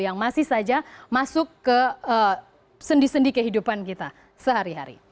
yang masih saja masuk ke sendi sendi kehidupan kita sehari hari